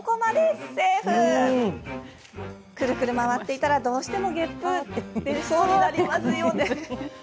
くるくる回ってたらどうしてもげっぷが出そうになりますよね。